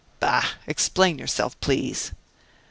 "Bah! explain yourself, please."